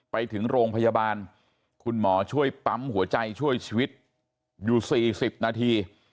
ไปถึงโรงพยาบาลคุณหมอช่วยปั๊มหัวใจช่วยชีวิตอยู่๔๐นาที